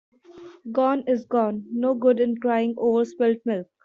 Gone is gone. No good in crying over spilt milk.